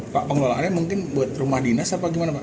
pak pengelolaannya mungkin buat rumah dinas atau gimana pak